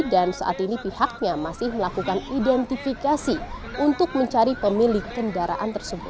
dan saat ini pihaknya masih melakukan identifikasi untuk mencari pemilik kendaraan tersebut